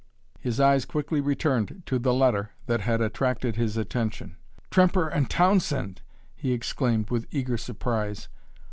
His eyes quickly returned to the letter that had attracted his attention. "Tremper & Townsend!" he exclaimed with eager surprise.